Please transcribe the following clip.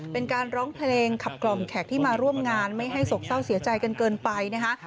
เป็นการร้องเพลงขับกล่อมแขกที่มาร่วมงานไม่ให้สกเศร้าเสียใจกันเกินไปนะคะ